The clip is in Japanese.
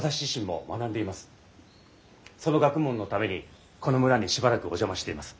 その学問のためにこの村にしばらくお邪魔しています。